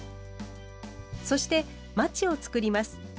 そしてマチを作ります。